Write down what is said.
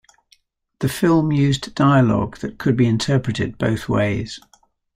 The film used dialogue that could be interpreted both ways.